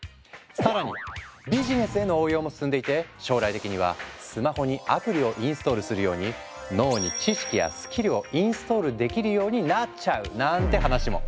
更にビジネスへの応用も進んでいて将来的にはスマホにアプリをインストールするように脳に知識やスキルをインストールできるようになっちゃうなんて話も。